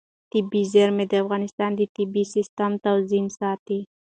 طبیعي زیرمې د افغانستان د طبعي سیسټم توازن ساتي.